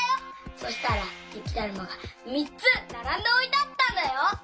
そしたらゆきだるまがみっつならんでおいてあったんだよ。